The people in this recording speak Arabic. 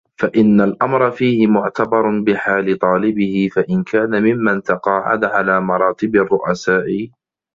فَإِنَّ الْأَمْرَ فِيهِ مُعْتَبَرٌ بِحَالِ طَالِبِهِ فَإِنْ كَانَ مِمَّنْ تَقَاعَدَ عَلَى مَرَاتِبِ الرُّؤَسَاءِ